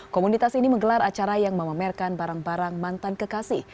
komunitas ini menggelar acara yang memamerkan barang barang mantan kekasih